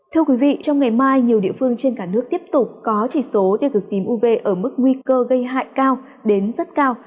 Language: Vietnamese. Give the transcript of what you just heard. thưa quý vị trong ngày mai nhiều địa phương trên cả nước tiếp tục có chỉ số tiêu cực tím uv ở mức nguy cơ gây hại cao đến rất cao